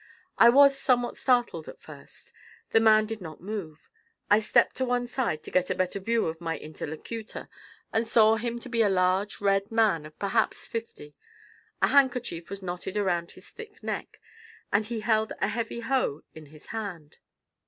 I was somewhat startled at first. The man did not move. I stepped to one side to get a better view of my interlocutor, and saw him to be a large, red man of perhaps fifty. A handkerchief was knotted around his thick neck, and he held a heavy hoe in his hand.